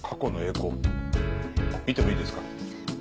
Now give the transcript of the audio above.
見てもいいですか？